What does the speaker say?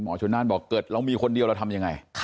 ชนนานบอกเกิดเรามีคนเดียวเราทำยังไง